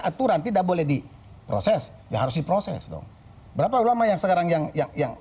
kejururan tidak boleh diproses harus diproses dong berapa lama yang sekarang yang yang yang